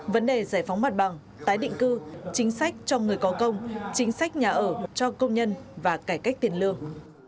vấn đề giải phóng mặt bằng tái định cư chính sách cho người có công chính sách nhà ở cho công nhân và cải cách tiền lương